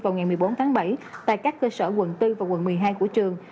vào ngày một mươi bốn tháng bảy tại các cơ sở quận bốn và quận một mươi hai của trường